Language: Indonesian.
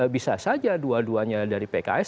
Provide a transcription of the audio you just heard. bisa saja dua duanya dari pks